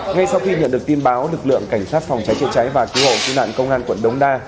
ngay sau khi nhận được tin báo lực lượng cảnh sát phòng cháy chữa cháy và cứu hộ cứu nạn công an quận đống đa